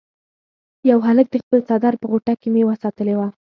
یو هلک د خپل څادر په غوټه کې میوه ساتلې وه.